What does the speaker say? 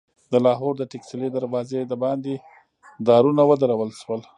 د لاهور د ټکسلي دروازې دباندې دارونه ودرول شول.